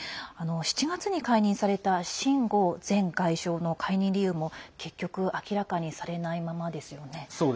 ７月に解任された秦剛前外相の解任理由も結局明らかにされないままですね。